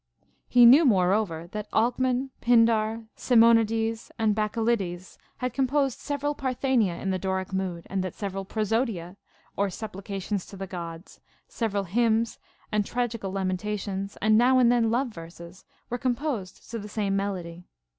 He knew moreover that Alcman, Pindar, Simonides, and Bacchylides had composed several Parthenia in the Doric mood ; and that several Prosodia (or suppli cations to the Gods), several hymns and tragical lamenta tions, and now and then love verses, were composed to the same melody.